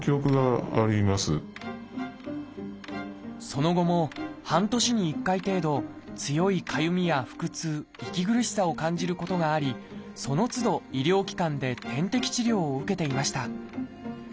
その後も半年に１回程度強いかゆみや腹痛息苦しさを感じることがありそのつど医療機関で点滴治療を受けていました。